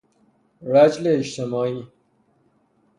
رجل اجتماعی